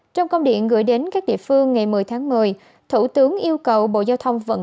trong công điện gửi đến các địa phương ngày một mươi tháng một mươi thủ tướng yêu cầu bộ giao thông vận